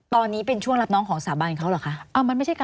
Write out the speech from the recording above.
ตอนนี้เป็นช่วงรับน้องของสาบานเขาเหรอคะ